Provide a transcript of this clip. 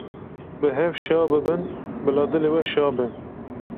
Bi hev şa bibin, bila dilê we şa be.